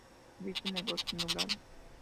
Habita en bosque nublado.